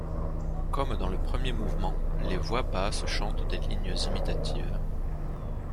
Comme dans le premier mouvement, les voix basses chantent des lignes imitatives.